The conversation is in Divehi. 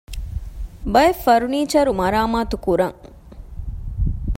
ބައެއް ފަރުނީޗަރު މަރާމާތު ކުރަން